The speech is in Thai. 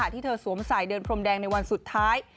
ที่เธอสวมใส่เดินพรมแดงในวันสุดท้าย